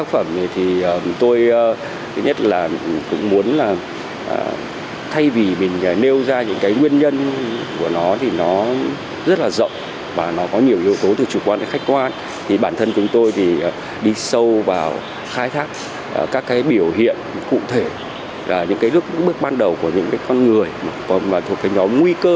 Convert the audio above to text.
cũng muốn là thay vì mình nêu ra những cái nguyên nhân của nó thì nó rất là rộng và nó có nhiều yếu tố từ chủ quan đến khách quan thì bản thân chúng tôi thì đi sâu vào khai thác các cái biểu hiện cụ thể là những cái bước ban đầu của những cái con người mà thuộc cái nhóm nguy cơ